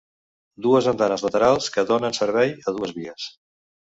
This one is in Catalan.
Dues andanes laterals que donen servei a dues vies.